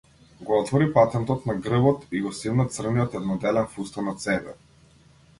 Го отвори патентот на грбот и го симна црниот едноделен фустан од себе.